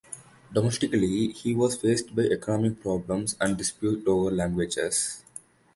Domestically, he was faced by economic problems and disputes over languages.